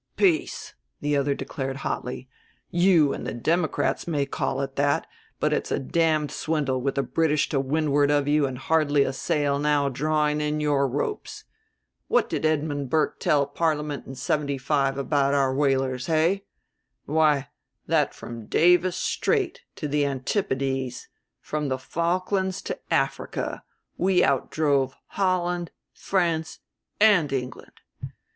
"Peace!" the elder declared hotly; "you and the Democrats may call it that, but it's a damned swindle, with the British to windward of you and hardly a sail now drawing in your ropes. What did Edmund Burke tell Parliament in 'seventy five about our whalers, hey! Why, that from Davis Strait to the Antipodes, from the Falklands to Africa, we outdrove Holland, France and England.